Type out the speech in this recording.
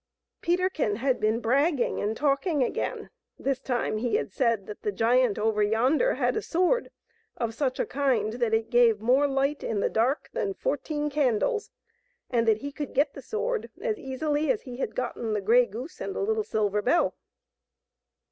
Peterkin had been bragging and talk ing again. This time he had said that the giant over yonder had a sword of such a kind that it gave more light in the dark than fourteen candles, and that he could get the sword as easily as he had gotten the grey goose and the little silver bell.